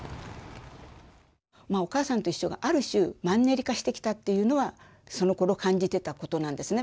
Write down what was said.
まあ「おかあさんといっしょ」がある種マンネリ化してきたっていうのはそのころ感じてたことなんですね。